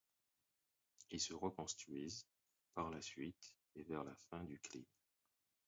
Ils se reconstruisent, par la suite et vers la fin du clip.